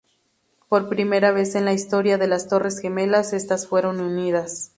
Por primera vez en la historia de las torres gemelas, estas fueron unidas.